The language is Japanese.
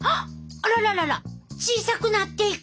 あらららら小さくなっていく！